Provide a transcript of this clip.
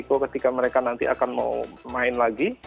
karena posisi mereka kan ada peringkat yang cukup tinggi